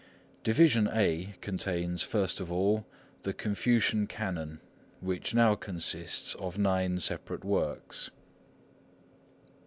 Division A contains, first of all, the Confucian Canon, which now consists of nine separate works.